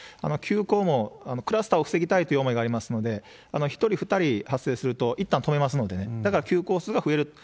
休校も、クラスターを防ぎたいという思いがありますので、１人、２人、発生すると、いったん止めますのでね、だから休校数が増える。